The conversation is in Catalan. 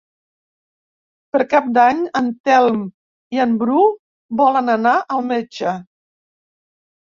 Per Cap d'Any en Telm i en Bru volen anar al metge.